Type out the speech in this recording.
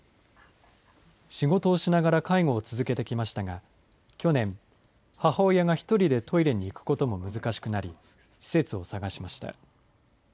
仕事をしながら介護を続けてきましたが、去年、母親が１人でトイレに行くことも難しくなり、施設を探しました。